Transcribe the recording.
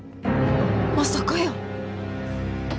まさかやー。